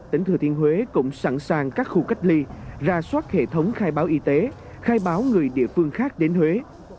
tỉnh thừa thiên huế cũng sẵn sàng các khu cách ly ra soát hệ thống khai báo y tế khai báo người địa phương khác đến huế